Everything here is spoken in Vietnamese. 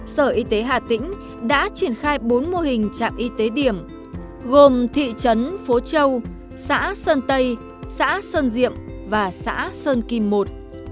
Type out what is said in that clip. sở y tế hà tĩnh đã triển khai bốn mô hình trạm y tế điểm gồm thị trấn phố châu xã sơn tây xã sơn diệm và xã sơn kim một